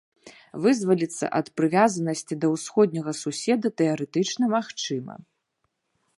Вызваліцца ад прывязанасці да ўсходняга суседа тэарэтычна магчыма.